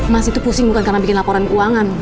mas itu pusing bukan karena bikin laporan keuangan